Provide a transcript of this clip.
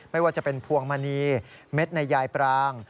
ไม่ว่าจะเป็นพวงมณีเม็ดในยายปราง